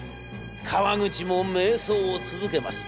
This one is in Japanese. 川口も迷走を続けます。